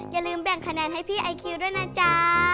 อย่าลืมแบ่งคะแนนให้พี่ไอคิวด้วยนะจ๊ะ